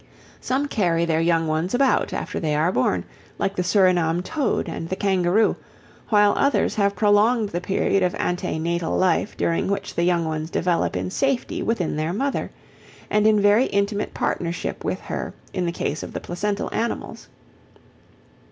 Some carry their young ones about after they are born, like the Surinam toad and the kangaroo, while others have prolonged the period of ante natal life during which the young ones develop in safety within their mother, and in very intimate partnership with her in the case of the placental mammals.